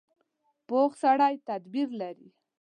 پوخ سړی تدبیر لري